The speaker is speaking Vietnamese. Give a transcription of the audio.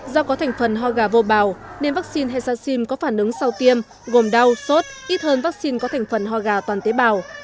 do có thành phần ho gà vô bào nên vaccine hexacin có phản ứng sau tiêm gồm đau sốt ít hơn vaccine có thành phần ho gà toàn tế bào